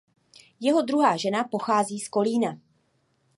Jeho druhá žena pochází z Kolína.